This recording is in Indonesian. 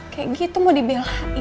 kayak gitu mau dibelain